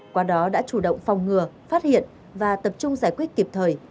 qua đó đã chủ động phòng ngừa phát hiện và tập trung giải quyết kịp thời